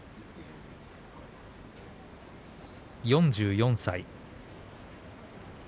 ４４歳。